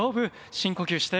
深呼吸して。